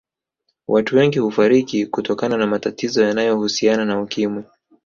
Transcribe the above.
Watu wengi hufariki kutokana na matatizo yanayohusiana na Ukimwi